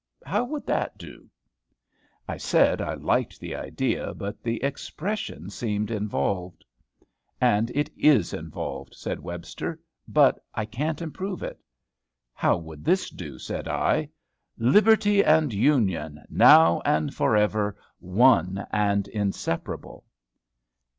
How would that do?" I said I liked the idea, but the expression seemed involved. "And it is involved," said Webster; "but I can't improve it." "How would this do?" said I. "'LIBERTY AND UNION, NOW AND FOREVER, ONE AND INSEPARABLE!'"